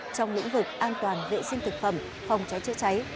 trong lĩnh vực an toàn vệ sinh thực phẩm phòng cháy chữa cháy